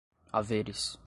haveres